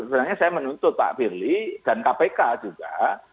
sebenarnya saya menuntut pak firly dan kpk juga